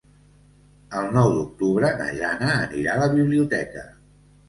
El nou d'octubre na Jana anirà a la biblioteca.